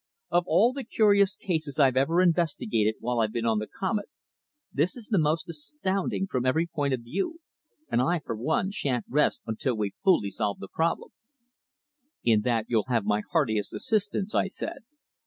Of all the curious cases I've ever investigated while I've been on the Comet, this is the most astounding from every point of view, and I, for one, shan't rest until we've fully solved the problem." "In that you'll have my heartiest assistance," I said.